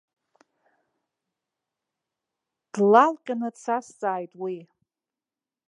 Длалҟьаны дсазҵааит уи.